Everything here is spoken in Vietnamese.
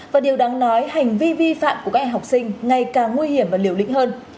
và điều đáng nói hành vi vi phạm của các em học sinh ngày càng nguy hiểm và liều lĩnh hơn